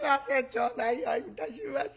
頂戴をいたします」。